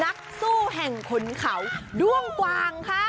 นักสู้แห่งขุนเขาด้วงกวางค่ะ